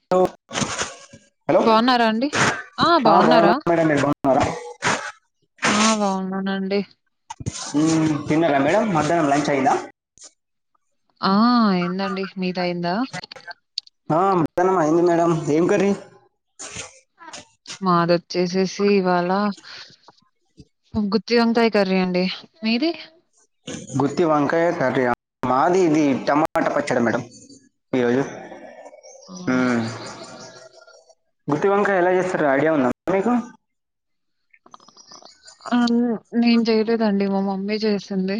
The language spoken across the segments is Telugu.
హలో హలో బాగున్నారా అండి? ఆ బాగున్న మేడం మీరు గున్నారా ఆ బాగున్నానండి తిన్నారా మేడం మధ్యాహ్నం లంచ్ అయిందా ఆ అయిందండి మీదయిందా ఆ మధ్యానం అయింది మేడం ఏం కర్రీ మాదొచ్చేసేసి ఇవాళ గుత్తి వంకాయ కర్రీ అండి మీది గుత్తి వంకాయ కర్రీ ఆ మాది ఇది హ్మ్. టమాట పచ్ సరే మేడం ఇగో ఇది అవునా గుత్తి వంకాయ ఎలా చేస్తారు ఐడియా ఉందా అండి మీకు ఆ నేన్ చేయలేదండి మా మమ్మీ చేసింది.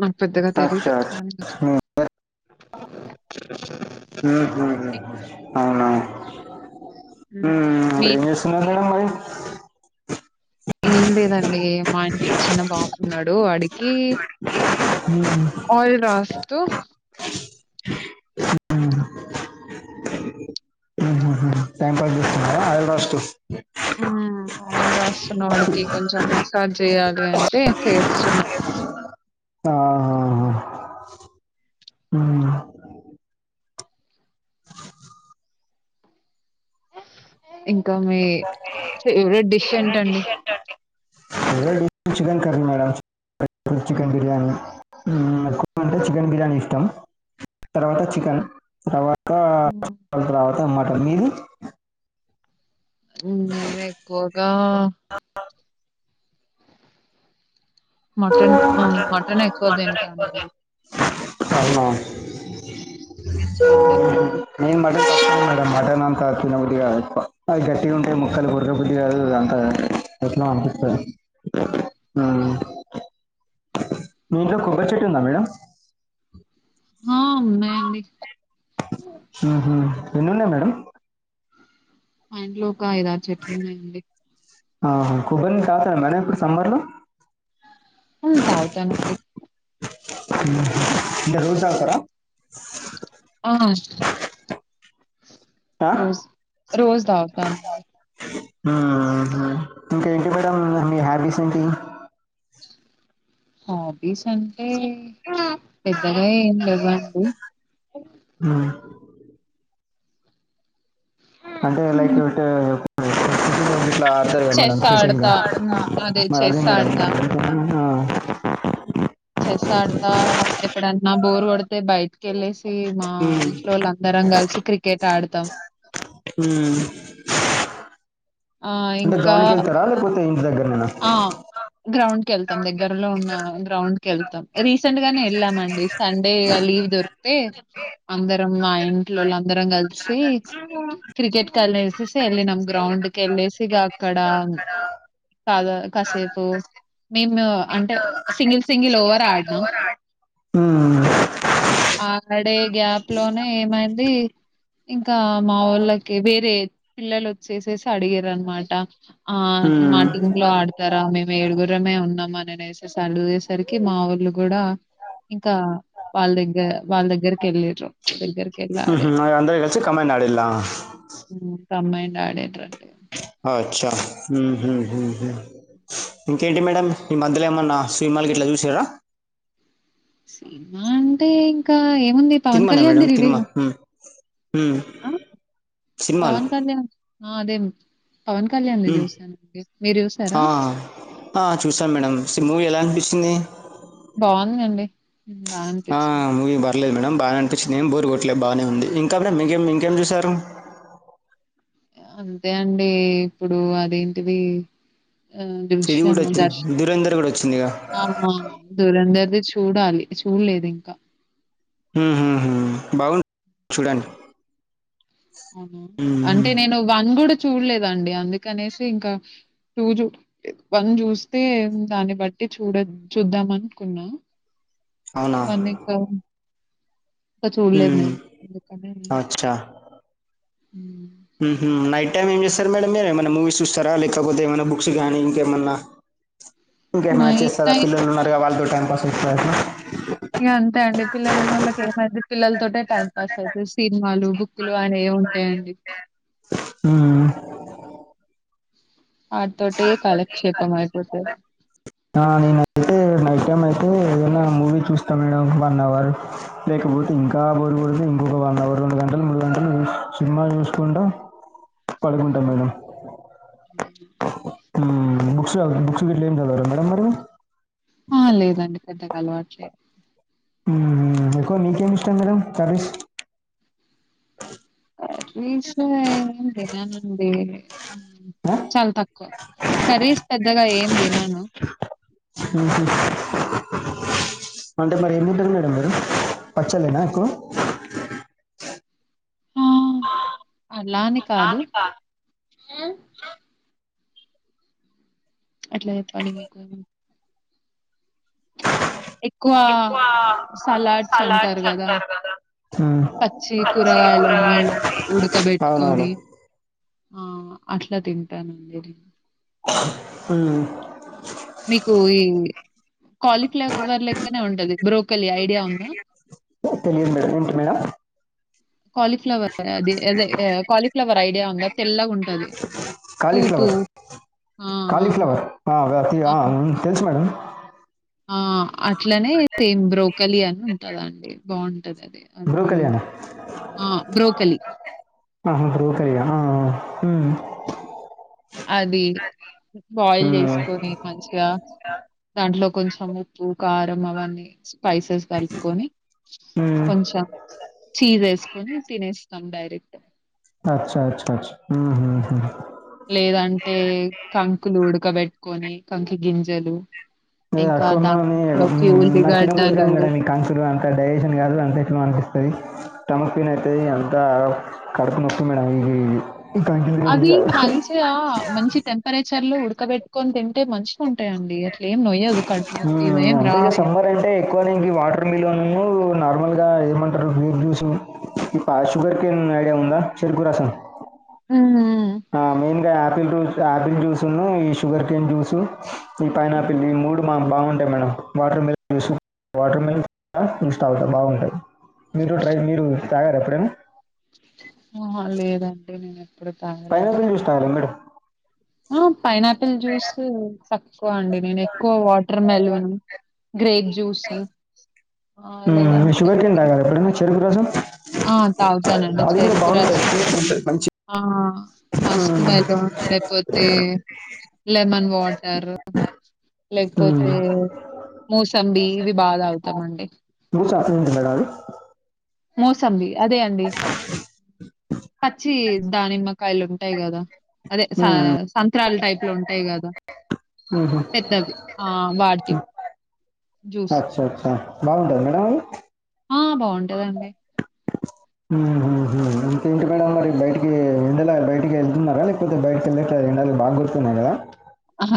నాక్ పెద్దగా తెలీదు అచ్చా అచ్చా ఆ అవునా మ్ హ్మ్. మీ ఇప్పుడేం చేస్తున్నారు మేడమ్ మరి ఏం లేదండి మా ఇస చిన్న బాగున్నాడు అడికి ఆయిల్ రాస్తూ త [inaudible] టైం పాస్ చేస్తున్నారా ఆయిల్ రాస్తూ ఆయిల్ రాస్తున్నావాడికి కొంచెం మసాజ్ చేయాలి అంటే చేస్తున్నా ఇంకా మీ ఫేవరేట్ డిష్ ఏంటండి chicken curry madam chicken biryani మ్మ్, ఎక్కువ అంటే చికెన్ బిర్యా ఇష్టం తర్వాత చికెన్ తరువాత ఆ హ్మ్. అ అమాట మీది నేను ఎక్కువగా మటన్ మటన్ ఎక్కువ తింటానండి చికెన్ చాలా తక్కువ. నేన్ మటన్ మే మటన్ డిగా ఇ [inaudible] ఆ గట్టిగ ఉంటే ముక్కలు పో చపోటి కాదు అంత చెట్న్నాం అనిపిస్తుంది ఆ మీంట్లో కొబరి చెట్టు ఉందా మేడం ఆ ఉన్నాయండి హ ఎన్ని ఉన్నాయి మేడం మ ఇంట్లో ఒక ఐదారు చెట్లు ఉన్నాయండి ఆహా కొబ్బరిని తాగుతారా మేడం ఇప్పుడు సమ్మర్ లొ తగుతానండి ఇ రోసస్తార [inaudible] ఆ ఆ? రోజ రోజ తాగుతాను ఇంకా ఏంటి మేడంమ్ మీ హాబీస్ ఏంటి హాబీస్ అంటే పెద్దగా ఏం లేవు అండి మ్మ్. అంటే లైక్ ఒకలా మ చెస్ షూంగ్ ఆడతా. హ్మ్. మరి అదే చెస్ మేడం ఆడతా. ఆ చెస్ ఆడతా. ఎప్పుడన్నా బోర్ కొడితే బయిట్ వేళ్ళసి మా ఉమ్, ఇంట్లో వాళ్ళ అందరం కలిసి క్రికెట్ ఆడతాం ఆ! అంట ఇంకా గ్రౌండ్ కి వెళ్తార లేకపోతే ఇంటి దగ్గర ననా కెళతం దగ్గరలో ఉన్న గ్రౌండ్ కి వెళ్తాం రీసెంట్ గానే వెళ్ళామండి సండే ఇగ లీవ్ దొరికితే అందరం మా ఇంట్లో అందరం కలిసి క్రికెట్ కానే సేసి వెళ్ళినం గ్రౌండ్ వెళ్ళేసిగా అక్కడ కాదు కాసేపు మేము అంటే సింగిల్ సింగిల్ ఓవర్ ఆడినాం హ్మ్ అక్కడే గ్యాప్ లోనే ఏమైంది ఇంకా మా ఊళ్ళకి వేరే పిల్లలు వచ్చేసేసి అడిగెరన్నమాట ఆ మా ఉమ్, టీంలో ఆడు తర మేము ఏడుగురమే ఉన్నాం అననేసి అడిగేసరికి మా వాళ్ళు కూడా ఇంకా వాళ్ళ దగ్గర వాళ్ళ దగ్గరకి వెళ్ళిర్రు దగ్గర ఊహూ అది అందరూ కలిసి కంబైన్డ్ ఆడిల్లా హ్మ్. కంబైన్డ్ ఆడిండ్రు అచ్చా ఉహుం, ఇంకేంటి మేడం ఈ మధ్యలో ఏమన్నా సిన్మాలు గిట్లా చూసారా సిన్మా అంటే ఇంకా ఏముంది పవన్ సినిమా నా కళ్యాణ్‌ది మేడం సినిమా రిలీజ్ హ్మ్ హ్మ్ ఆ! సినిమాలు పవన్ కళ్యాణ్ ఆ అదే పవన్ కళ్యాణ్ ఉమ్, చూసానండి మీరు చూసారా ఇ సిమో ఎలా విసిని బాగుందిండి బాన తెచ్చ ర్లేదు మేడడం బాగానే అనిపించింది ఏ బోరు కొట్టలేదు బాగానే ఉంది ఇంకా అడ మీంకేం ఇంకేం చూసారు అంతే అండి ఇప్పుడు అదేంటిది ఇది గూడా దృశ్యము వచ్చింది. దర్శ 'ధురంధర్' గూడా వచ్చిందిగా. ఆహా దురంధర్ ది చూ చూడాలి చూడలేదు ఇంకా మ్మ్ మ్మ్ మ్మ్ బాగు చూడండి హుహు. అంటే నేను వన్ కూడా చూడలేదండి అందుకనేసి ఇంకా టూ చూ వన్ చూస్తే దాన్ని బట్టి చూడ చూద్దాం అనుకున్నా అవునా? వనకం ఇంకా చూడలేదు హ్మ్. నేను ఎందుకని అచ్చా! మ్ నైట్ టైమ్ ఏం చేస్తారు మేడం మీరు ఏమైనా మూవీస్ చూస్తారా లేకపోతే ఏమైనా బుక్స్ కానీ ఇంకేమన్నా ఇంకమైనా నైట్ చేస్తారా టైమ్ పిల్లలున్నారుగా వాళ్ళతో టైం పాస్ సా ఇక అంతే అండి పిల్లలున్న వాళ్ళకి ఏమైంది పిల్లల తోటే టైం పాస్ అవుతుంది. సినిమాలు, బుక్కులు అని ఏముంటాయండి మ్మ్ ఆతోటె కాలక్షేపం అయిపోతది నేనయితే నైట్ టైం అయితే ఏదనా మూవీ చూస్తాను మేడం వన్ అవర్ లేకపోతే ఇంకా బోర్ కొడితే ఇంకొక వన్ అవర్, రెండు గంటలు, మూడు గంటలు సినిమా చూసుకుంట పడుకుంటా మేడం [inaudible] ఆ లేదండి పెద్దగా అలవాటు స ఎక్కువ మీకేమి ఇష్టం మేడం కర్రీస్ కర్రీసు ఏం తిననండి ఆ! చాలా తక్కువ. కర్రీస్ పెద్దగా ఏం తినను అంటే మరి ఏం తింటారు మేడం మీరు పచ్చడేనా ఎక్కువ ఆ అలానే కాదు స ఎట్ల చెప్పాలి మీకు ఎక్కువ సలాడ్స్ అంటారు కదా, హ్మ్. పచ్చి కూరగాయలా అది అవునవును. ఉడ్కబెట్టుకని ఆ అట్లా తింటానండి నేను మ్మ్ మీకు ఈ కాలీఫ్లేవర్ లెక్కనే ఉంటంది బ్రోకలీ ఐడియా ఉందా తెలియదు మేడం. ఏంటి మేడం? కాలీఫ్లవర్ అది అదే కాలీఫ్లవర్ ఐడియా ఉందా తెల్లగా ఉంటది పువ్వు కాలిఫ్లవర్ పువ్వు ఆ ఆ కాలిఫ్లవర్తి ఆ! అ అ తెలుసు మేడం ఆ అట్లనే సేమ్ బ్రోకలి అని ఉంటదండి బాగుం అద అదే అంది బ్రోకలి అనే. బ్రోకె వెలి ఆహా రూకరిగా ఆ హ్మ్ అది బాయిల్ హ్మ్ చేసుకొని మంచిగా దాంట్లో కొంచెం ఉప్పు, కారం అవన్నీ స్పైసెస్ కలుపుకొని హ్మ్ కొంచెం చీజ్ వేసుకొని తినేస్తాం డైరెక్ట్ అచ్చ అచ్చ అచ్చ లేదం టే కంకులు ఉడకబెట్టుకొని కంకి గింజలు లే అక్క ఇంకా ఉన్నా దాంట్లోకి నాకు తినకూడదు ఉల్లిగడ్డలు కాదు కడా మీ కానుక్షులు అంత డైజెషన్ కాదు అంత ఎట్లా అనిపిస్తుంది. స్టమక్ పెయిన్ అయితే అంత కడుపు నొచ్చి మేడం ఇ ఇది ఈ కంకులు తినబుద్ధి అది కాదు మంచిగా మంచి టెంపరేచర్ ర్లు ఉడకబెట్టుొని తింటే మంచిగా ఉంటాయిండి అట్లే ఏం నొయ్యదు కడుపు నొప్పి ఇవేం అంతే ఇక రావు. సమ్మర్ అంటే ఎక్కువ దీనికి వాటర్ మిల్ ఉ నేు నార్మల్గా ఏమంటారు బీూ జ్యూసు ఇ షుగర్ క్యాన్ ఐడియా ఉందా చెరుకు రసన్ ఆ మెయిన్గా ఆపిల్ రూస్ ఆపిల్ జ్యూస్న్నా ఈ షుగర్ కేన్ జ్యూసు ఈ పైనాపిల్ హ్మ్. ని మూడు మాం బాగుంటాయి మేడం వాటర్ మిల్ చ వాటర్ మిల్ ఇన్స్టాల్ అతా బాగుంటాయి మీరు డ్రై మీరు తాగారా ఎప్పుడైనా ఆహా లేదండి నేను ఫైైన ఇస్తాల మేడం అ పైనాపిల్ జూస్ ఎక్కువ అండి నేను ఎక్కువ వాటర్ మెలూన్ గ్రేప్ జ్యూస్ ఆ హ్మ్. లేదంటే షుగర్ కేన్ తాగారా ఎప్పుడైనా? చెరుకు రసం? ఆ తాగుతానండి అది గూడా చేరుకు రాస బావుంటది. తీయగుంటది మంచి ఆ మస్క్ హ్మ్. మేదం లేకపోతే లెమన్ వాటర్ రారూ హ్మ్. లేకపోతే మూసంబి ఇవి బాధ అవుతామండి ఎడారు మోసంబి అదే అండి పచ్ చ్చి దానిమ్మకాయలు ఉంటాయి కదా అదే స హ్మ్. సంత్రాాల్ టైప్ లో ఉంటాయి కదా హుహు. పెద్దవి ఆ వాటి అచ్చ అచ్చా బాగుంటదా మేడం అది ఆ బాగుంటదండి ఉ ఉ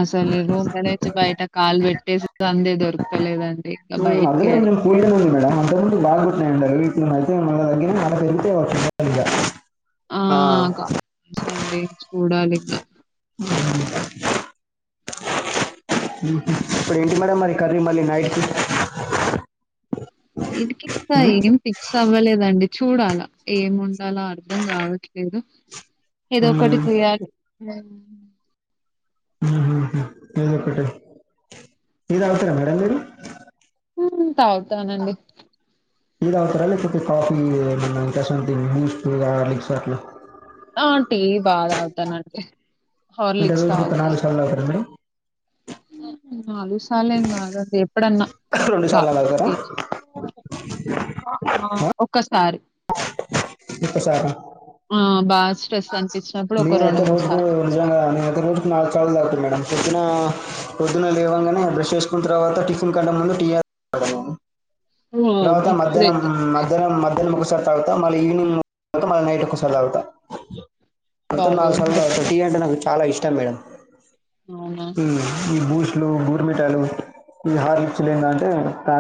అసలు రూమ్ల నుంచి బయటక్ కాల్ పెట్టేసే సందే దొరుకతలేదన్ అదేం లేదు కూల్గానే ఉంది మేడం అంతముందు బాగుంటున్నాయి ఎండలు. ఇప్పుడు అయితే మళ్ళ తగ్గింది. మళ్ళ పెరిగితాయి కావచ్చు. ఆ సండేస్ చూడాలి. ఇంగ హు హుమ్ ఇప్పుడు ఏంటి మేడం మరి కర్రీ మళ్ళీ నైట్ కి ఇడి కి ఇంకా ఏం ఫిక్స్ అవ్వలేదండి. చూడాలా ఏం వండాల అర్ధం కావట్లేదు. ఏదో ఒకటి హ్మ్. చేయాలి. హు హ్మ్ ఏదో పెట్టేయి టీ తాగుతరా మేడం మీరు. హ్మ్. తాగుతానండి. తాగుతారా? టీ, లేకపోతే కాఫీ ఏ మన డికాషన్ డింగ్, బూస్ట్ హార్లిక్స్ అట్లా ఆ టీ బాగా తాగుతా నండి అంటే రోజు కి ఒక నాలుగు సార్లు తాగుతారా మేడం. ఉ ఉ నాలుగు సాలెం కాదు అండి ఎ ప్ ప్పుడన్నా సార్లు తాగుతారా? ఆ! ఒక్క స్ సారి. ఆ బాస్ నేన అయితే రోజుకు రెండుసార్లు నేను అయితే రోజుకి నాలుగు సార్లు తాగుతా మేడం ఆ పొద్దున లేవగానే బ్రష్ చేసుకున్న తర్వాత టిఫిన్ కంటే ముందు టీ తాగుతాను. తర్వాత వామ్మో మధ్యాహ్నం, గ్రేట్ మధ్యాహ్నం మ మధ్యాహ్నం ఒకసారి తాగుతా మళ్ళీ ఈవినింగ్ మళ్ళ నైట్ ఒకసారి తాగుతా. ఉబ్బ్ మొత్తం నాలుగు బాబోయ్ సార్లు గ్రేట్ తాగుతా టి అంటే నాకు చాలా ఇష్టం మేడం. అవునా ఉ ఈ బూ ట్లు, బుట్మిఠాయిలు ఈ హార్లిక్స్ లు ఏందంటే తా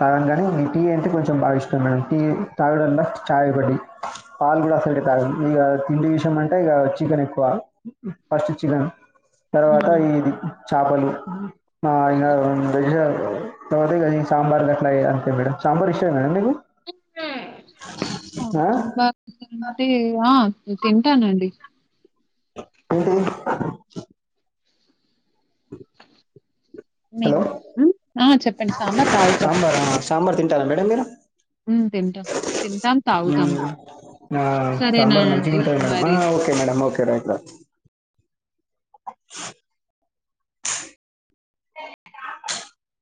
తాగను కానీ ఈ టీ అంటే కొంచెం బాగా ఇష్టం మేడం. టీ తాగడంలా ఛాయ ఒకటి. పాలు కూడా అసలుకి తాగను. ఇంగా తిండి విషయం అంటే ఇగ చికెన్ ఎక్కువ ఫస్ట్ చికెన్ తర్వాత హ్మ్ ఇది చేపలు ఆ అయినా తే సాంబార్గా అై అంతే మేడం సాంబార్ విషయం మేడం సాంబార్ అంటే ఆ తింటానండి ఏంటి మేమ హలో ఆ చెప్పండి సాంబార్ తాగుతా రా మేడం మీరు తింటాం ఊ తాగుతాం కూడా ఆ సరేనా సాంబార్ మంచిగా అండి ఉంటది మేడం ఆ మరి okay madam okay write [unintelligible] a